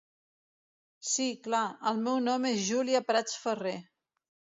Sí clar, el meu nom és Júlia Prats Ferrer.